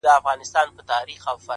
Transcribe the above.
خره غوږونه ښوروله بې پروا وو.!